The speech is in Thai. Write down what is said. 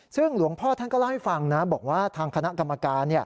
ซึ่งหลวงพ่อท่านก็เล่าให้ฟังนะบอกว่าทางคณะกรรมการ